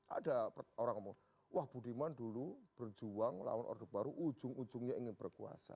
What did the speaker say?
ada orang ngomong wah budiman dulu berjuang lawan orde baru ujung ujungnya ingin berkuasa